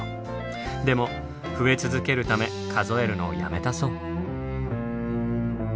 でも増え続けるため数えるのをやめたそう。